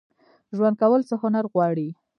ژوند کول څه هنر غواړي؟